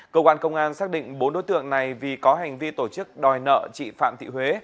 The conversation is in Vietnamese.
cơ quan công an xác định bốn đối tượng này vì có hành vi tổ chức đòi nợ chị phạm thị huế